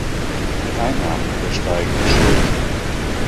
Die Einnahmen übersteigen die Schulden.